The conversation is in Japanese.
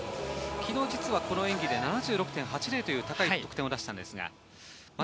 昨日、実は、この演技での２６．８０という高い得点を出しました。